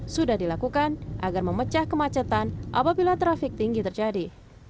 sudah dilakukan agar memecah kemacetan apabila trafik tinggi terjadi